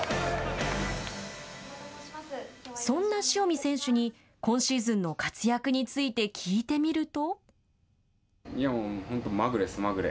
そんな塩見選手に今シーズンの活躍について聞いてみると。